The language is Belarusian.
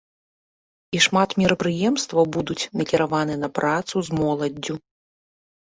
І шмат мерапрыемстваў будуць накіраваныя на працу з моладдзю.